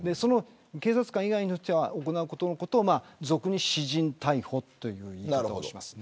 警察官以外の人が行うことを俗に私人逮捕という言い方をします。